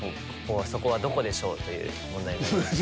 そこはどこでしょう？という問題になります。